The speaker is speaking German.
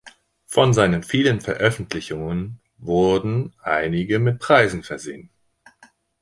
Von seinen vielen Veröffentlichungen wurden einige mit Preisen versehen.